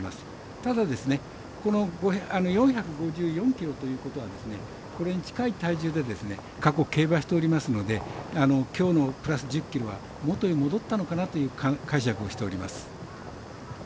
ただこの４５４ｋｇということはこれに近い体重で過去、競馬しておりますのできょうのプラス１０ｋｇは元に戻ったのかなという解釈をしています。